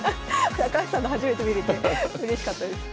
高橋さんの初めて見れてうれしかったです。